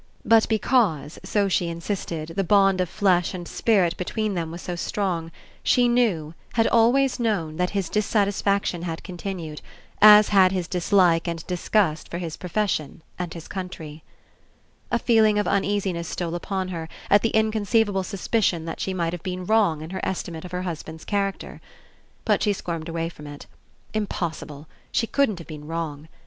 But because, so she insisted, the bond of flesh and spirit between them was so strong, she knew, had always known, that his dissatis faction had continued, as had his dislike and disgust for his profession and his country. A feeling of uneasiness stole upon her at the inconceivable suspicion that she might have been wrong in her estimate of her hus band's character. But she squirmed away from it. Impossible ! She couldn't have been wrong.